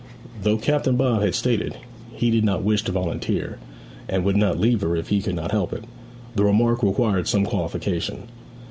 Though Captain Bob had stated that he did not wish to volunteer, and would not leave her if he could help it, the remark required some qualification.